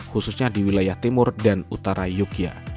khususnya di wilayah timur dan utara yogyakarta